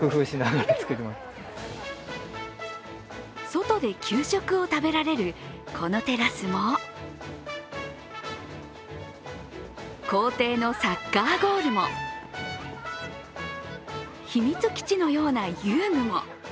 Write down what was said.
外で給食を食べられるこのテラスも校庭のサッカーゴールも秘密基地のような遊具も。